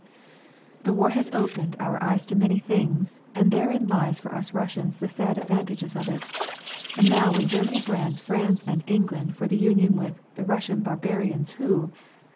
The war has opened our eyes to many things, and therein lies for us Russians the sad advantages of it. And now when Germany brands France and England for the union with "the Russian barbarians who...